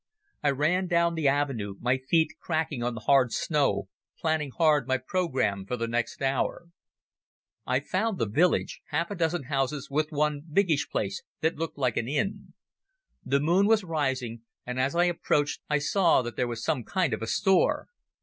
I ran down the avenue, my feet cracking on the hard snow, planning hard my programme for the next hour. I found the village—half a dozen houses with one biggish place that looked like an inn. The moon was rising, and as I approached I saw that there was some kind of a store.